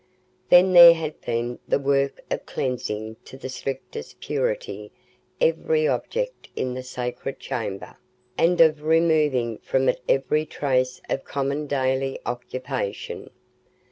Then there had been the work of cleansing to the strictest purity every object in the sacred chamber, and of removing from it every trace of common daily occupation.